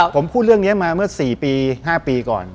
ผมพูดเรื่องนี้มาเมื่อ๔ปี๕ปีก่อน